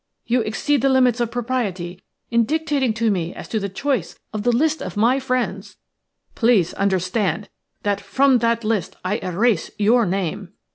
You exceed the limits of propriety in dictating to me as to the choice of the list of my friends. Please understand that from that list I erase your name."